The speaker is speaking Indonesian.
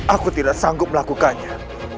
aku tidak sanggup melakukannya